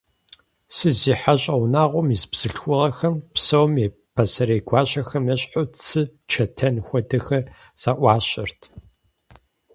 СызихьэщӀэ унагъуэм ис бзылъхугъэхэм псоми, пасэрей гуащэхэм ещхьу, цы, чэтэн хуэдэхэр зэӀуащэрт.